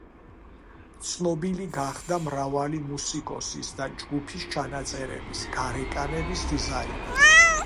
ცნობილი გახდა მრავალი მუსიკოსის და ჯგუფის ჩანაწერების გარეკანების დიზაინით.